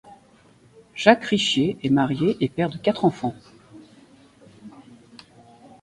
Jacques Richier est marié et père de quatre enfants.